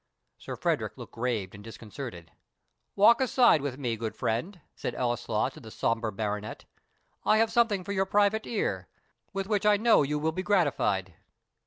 Sir Frederick looked grave and disconcerted. "Walk aside with me, my good friend," said Ellieslaw to the sombre baronet; "I have something for your private ear, with which I know you will be gratified."